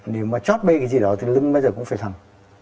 nếu mà chót bê cái gì đó thì lưng bây giờ cũng phải thẳng